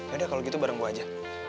udah kalau gitu bareng gue aja